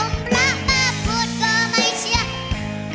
อมระมาพูดก็ไม่เชื่อ